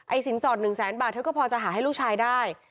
สินสอด๑แสนบาทเธอก็พอจะหาให้ลูกชายได้